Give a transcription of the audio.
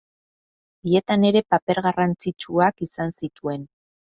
Bietan ere paper garrantzitsuak izan zituen.